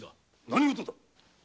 何事だ